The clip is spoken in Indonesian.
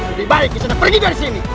lebih baik kesana pergi dari sini